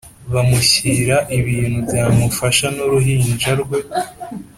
bamushyira ibintu byamufasha n‘uruhinja rwe